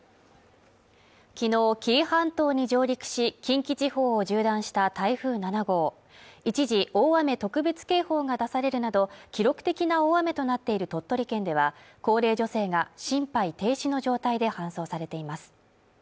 昨日紀伊半島に上陸し近畿地方を縦断した台風７号一時大雨特別警報が出されるなど記録的な大雨となっている鳥取県では高齢女性が心肺停止の状態で搬送されています